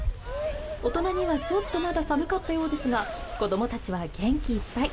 大人には、ちょっとまだ寒かったようですが、子供たちは元気いっぱい。